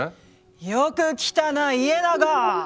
よく来たな家長。